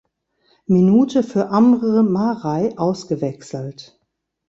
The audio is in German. Minute für Amr Marei ausgewechselt.